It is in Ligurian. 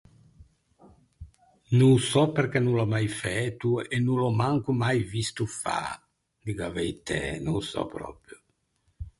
No ô sò perché no l’ò mai fæto, e no l’ò manco mai visto fâ. Diggo a veitæ, no ô sò pròpio.